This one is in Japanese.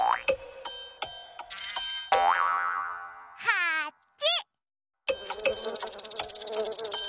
はち！